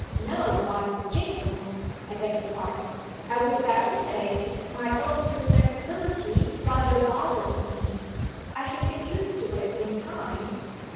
No, by jingo I beg your pardon I was about to say, my own respectability rather bothers me; I shall get used to it in time.